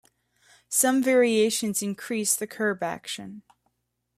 Some variations increase the curb action.